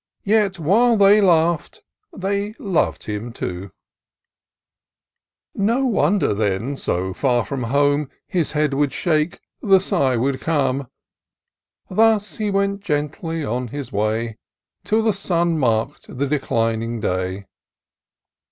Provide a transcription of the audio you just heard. Yet, while they laugh'd, they lov'd him too : No wonder, then, so far from home, His head would shake, the sigh would come. Thus he went gently on his way. Till the sun mark'd declining day.